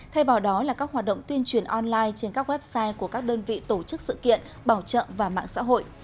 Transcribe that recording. thay vào đó là các hoạt động tuyên truyền online trên các website của các đơn vị tổ chức sự kiện bảo trợ và mạng xã hội